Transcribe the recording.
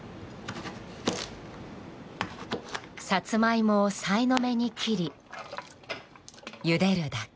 サツマイモをさいの目に切り、ゆでるだけ。